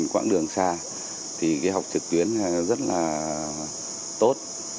quãng đường xa thì cái học trực tuyến rất là tốt